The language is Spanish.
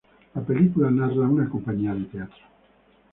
La película narra una compañía de teatro.